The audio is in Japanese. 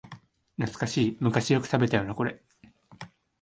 懐かしい、昔よく食べたよなこれ